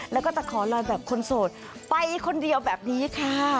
แล้วก็จะขอลอยแบบคนโสดไปคนเดียวแบบนี้ค่ะ